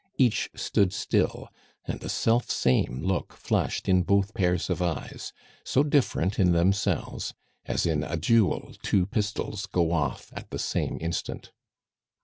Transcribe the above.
Each stood still, and the self same look flashed in both pairs of eyes, so different in themselves, as in a duel two pistols go off at the same instant.